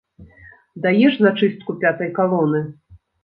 Даеш зачыстку пятай калоны!